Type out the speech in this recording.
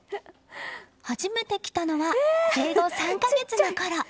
初めて着たのは生後３か月のころ。